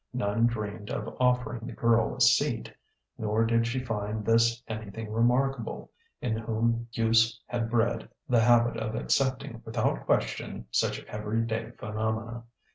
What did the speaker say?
None dreamed of offering the girl a seat; nor did she find this anything remarkable, in whom use had bred the habit of accepting without question such everyday phenomena.